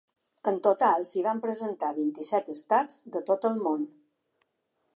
En total s’hi van presentar vint-i-set estats de tot el món.